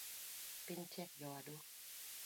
Piny tek jowadwa